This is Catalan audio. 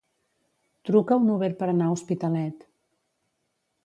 Truca un Uber per anar a Hospitalet.